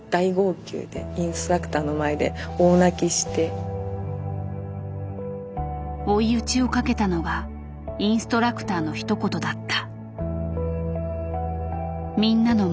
その回の中では追い打ちをかけたのがインストラクターのひと言だった。